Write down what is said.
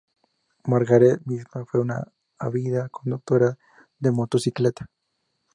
Margaret misma fue una ávida conductora de motocicleta.